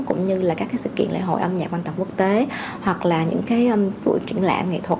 cũng như là các cái sự kiện lễ hội âm nhạc quan tâm quốc tế hoặc là những cái buổi triển lãm nghệ thuật